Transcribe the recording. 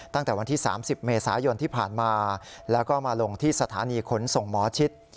ตั้งแต่วันที่๓๐เมษายนที่ผ่านมาแล้วก็มาลงที่สถานีขนส่งหมอชิด